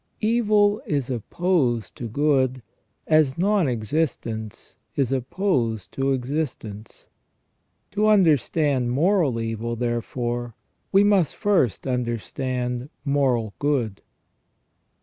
Evil is opposed to good, as non existence is opposed to exist ence. To understand moral evil, therefore, we must first understand moral good.